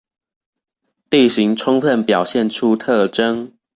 地形充分表現出特徵